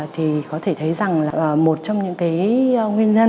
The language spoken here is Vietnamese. thì có thể thấy rằng là một trong những cái nguyên nhân